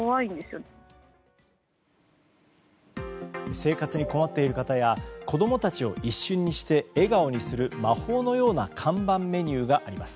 生活に困っている方や子供たちを、一瞬にして笑顔にする魔法のような看板メニューがあります。